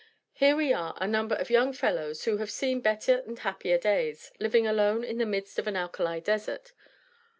Here we are, a number of young fellows who have seen better and happier days, living alone in the midst of an alkali desert.